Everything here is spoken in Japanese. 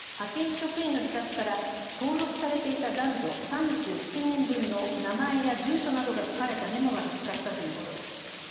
職員の自宅から登録されていた男女３７人分の名前や住所などが書かれたメモが見つかったということです。